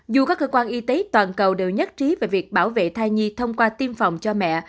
dù các cơ quan y tế toàn cầu đều nhất trí về việc bảo vệ thai nhi thông qua tiêm phòng cho mẹ